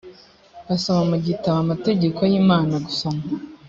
basoma mu gitabo amategeko y imana gusoma